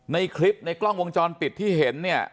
ในคลิปในกล้องวงจรปิดที่เห็นเนี่ย